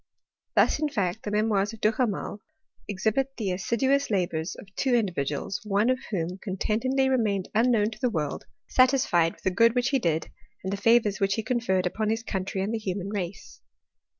Thus in fact the memoirs of Duhamel exhibit the assi duous labours of two individuals, one of whom con tentedly remained unknown to the world, satisfied with the good which he did, and the favours which he conferred upon his country and the human race.